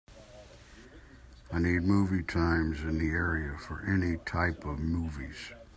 I need movie times in the area for any type of movies